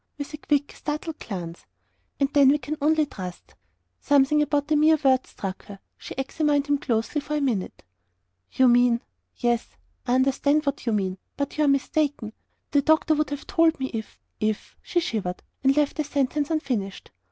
with a quick, startled glance. "And then we can only trust." Something more than the MERE words struck her. She examined him closely for a minute. "You mean yes I understand what you mean. But you are mistaken. The doctor would have told me if if " she shivered, and left the sentence unfinished.